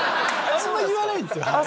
あんま言わないですよ。